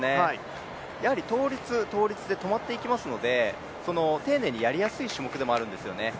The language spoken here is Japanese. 倒立、倒立で止まっていきますので、丁寧にやりやすい種目でもあるんですよね。